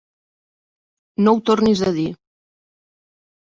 No ho tornis a dir.